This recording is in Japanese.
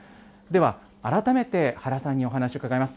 では改めて、原さんにお話を伺います。